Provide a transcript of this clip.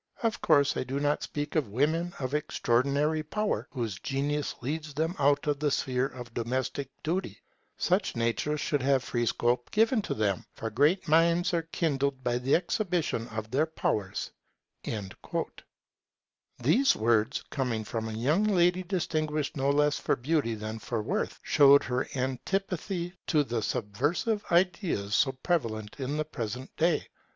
Of course I do not speak of women of extraordinary powers whose genius leads them out of the sphere of domestic duty. Such natures should have free scope given to them: for great minds are kindled by the exhibition of their powers'. These words coming from a young lady distinguished no less for beauty than for worth, showed her antipathy to the subversive ideas so prevalent in the present day.